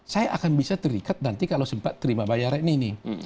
saya akan bisa terikat nanti kalau sempat terima bayaran ini